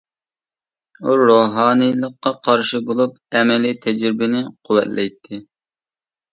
ئۇ روھانىيلىققا قارشى بولۇپ، ئەمەلىي تەجرىبىنى قۇۋۋەتلەيتتى.